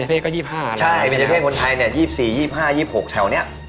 ใช่เบญเฉพยรภ์คนไทย๒๔๒๕๒๖แถวนี้